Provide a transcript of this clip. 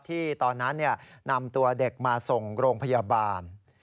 ที่ตอนนั้นนำตัวเด็กมาส่งโรงพยาบาล